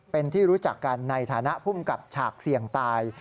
เป็นที่รู้จักกันในฐานะภูมิกับฉากเสี่ยงตาย